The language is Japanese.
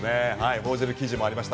報じる記事もありました。